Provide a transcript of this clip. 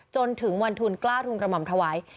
จนถึงวันทุนกล้าทุนกระหม่อมถวาย